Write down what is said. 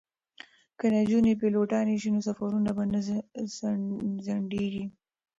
که نجونې پیلوټانې شي نو سفرونه به نه ځنډیږي.